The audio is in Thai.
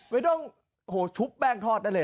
ไม่ต้องชุบแป้งทอดได้เลย